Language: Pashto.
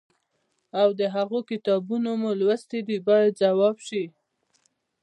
او د هغوی کتابونه مو لوستي دي باید ځواب شي.